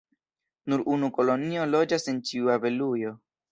Nur unu kolonio loĝas en ĉiu abelujo.